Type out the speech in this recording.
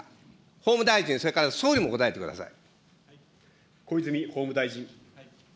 法務大臣、それから総理も答えてください。